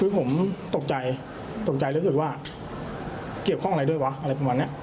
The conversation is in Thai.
คือผมตกใจตกใจรู้สึกว่าเกี่ยวข้องอะไรด้วยวะอะไรประมาณนี้